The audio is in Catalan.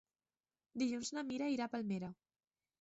Dilluns na Mira irà a Palmera.